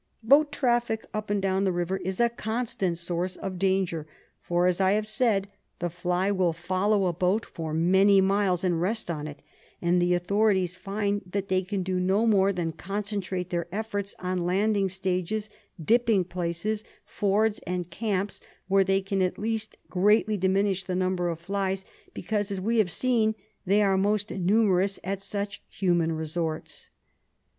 Boat traffic up and down the river is a constant source of danger, for, as I have said, the fly will follow a boat for many miles and rest on it, and the authorities find that they can do no more than concentrate their efforts on landing stages, dipping places, fords and camps, where they can at least greatly diminish the number of flies, because, as we have seen, they are most numerous at such human resorts.